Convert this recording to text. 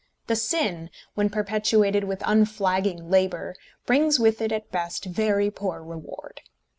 The sin, when perpetuated with unflagging labour, brings with it at best very poor reward.